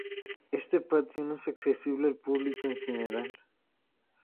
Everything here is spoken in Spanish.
Este patio no es accesible al público en general.